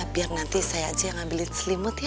biar nanti saya aja yang ngambilin selimut ya